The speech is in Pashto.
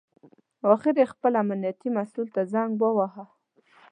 اخر یې خپل امنیتي مسوول ته زنګ وواهه.